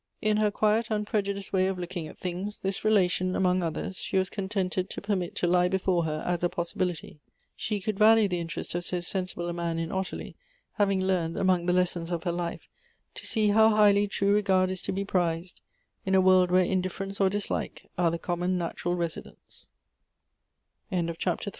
In her quiet, unprejudiced way of looking at things, this relation, among others, she was contented to permit to lie before her as a possibility ; she could value the interest of so sensible a man in Ottilie, having learnt, among the les sons of her life, to see how highly true regard is to be prized, in a world where indifference or dislike are the